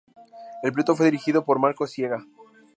El piloto fue dirigido por Marcos Siega.